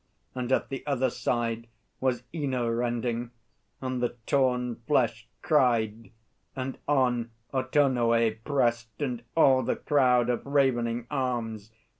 And at the other side Was Ino rending; and the torn flesh cried, And on Autonoë pressed, and all the crowd Of ravening arms.